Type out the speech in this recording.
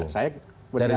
saya dari sisi masyarakat